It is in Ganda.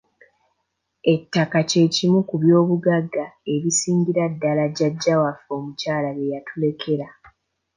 Ettaka kye kimu ku by'obugagga ebisingira ddala jjajja waffe omukyala bye yatulekera.